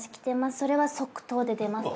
それは即答で出ますと。